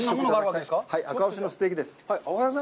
あか牛のステーキです。